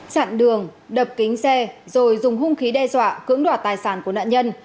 chặn đường đập kính xe rồi dùng hung khí đe dọa cưỡng đoạt tài sản của nạn nhân